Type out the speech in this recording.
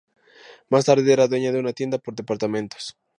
Más tarde, era dueña de una tienda por departamentos.